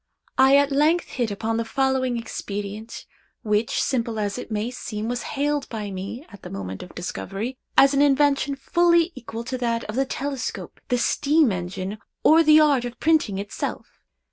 I at length hit upon the following expedient, which, simple as it may seem, was hailed by me, at the moment of discovery, as an invention fully equal to that of the telescope, the steam engine, or the art of printing itself.